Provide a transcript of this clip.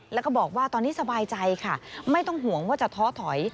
แล้วก็บอกว่าตอนนี้สบายใจค่ะไม่ต้องห่วงว่าจะท้อถอย